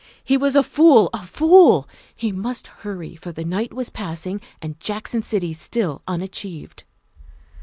He was a fool a fool. He must hurry, for the night was passing and Jackson City still unachieved.